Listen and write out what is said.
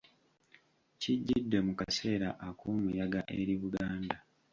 Kujjidde mu kaseera ak'omuyaga eri Buganda